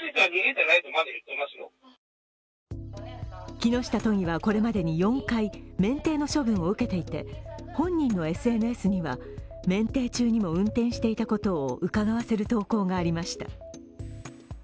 木下都議はこれまでに４回免停の処分を受けていて本人のＳＮＳには、免停中にも運転していたことをうかがわせる投稿がありました。